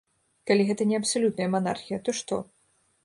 Калі гэта не абсалютная манархія, то што?